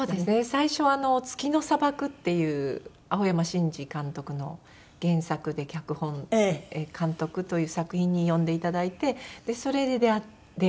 最初は『月の砂漠』っていう青山真治監督の原作で脚本監督という作品に呼んでいただいてそれで出会いました。